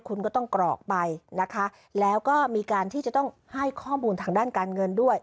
คุณก็ต้องกรอกไปนะคะแล้วก็มีการที่จะต้องให้ข้อมูลทางด้านการเงินด้วย